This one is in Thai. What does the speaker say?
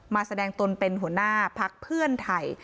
แสดงตนเป็นหัวหน้าพักเพื่อไทย